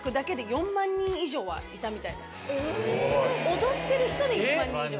踊ってる人で１万人以上。